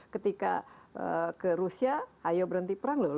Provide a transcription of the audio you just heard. ketika ke rusia ayo berhenti perang loh